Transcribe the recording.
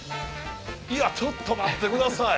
いやちょっと待って下さい！